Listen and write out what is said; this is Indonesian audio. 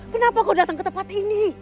kenapa kau datang ke tempat ini